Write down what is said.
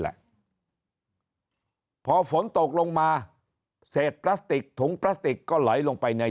แหละพอฝนตกลงมาเศษพลาสติกถุงพลาสติกก็ไหลลงไปใน